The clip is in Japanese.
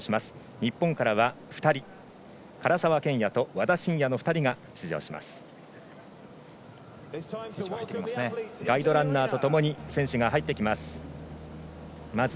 日本からは唐澤剣也と和田伸也の２人が出場します。